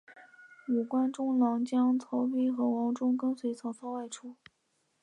五官中郎将曹丕和王忠跟随曹操外出。